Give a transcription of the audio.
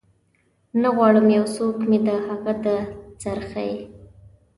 نه غواړم یو څوک مې د هغه د سرخۍ